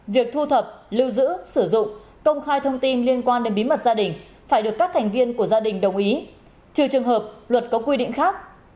việc thu thập lưu giữ sử dụng công khai thông tin liên quan đến bí mật gia đình phải được các thành viên của gia đình đồng ý trừ trường hợp luật có quy định khác